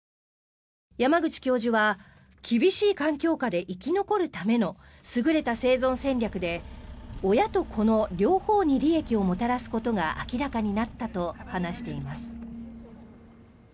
山口教授は厳しい環境下で生き残るための優れた生存戦略で親と子の両方に利益をもたらすことが明らかになったと話しています。